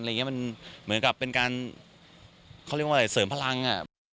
มันเหมือนกับเป็นการเขาเรียกว่าอะไรเสริมพลังอ่ะ